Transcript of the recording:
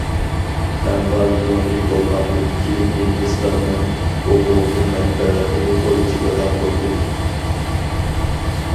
ئەمما زۇڭلى بولغاندىن كېيىن، ھىندىستاننىڭ ئومۇمىي مەنپەئەتىنى ئويلىشىدىغان بولدى.